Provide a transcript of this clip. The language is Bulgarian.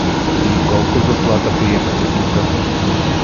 Вий колко заплата приимате тука?